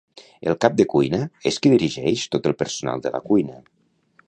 El cap de cuina és qui dirigeix tot el personal de la cuina.